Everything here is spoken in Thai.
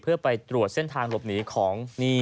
เพื่อไปตรวจเส้นทางหลบหนีของนี่ฮะของคนร้ายเห็นแล้วนะครับ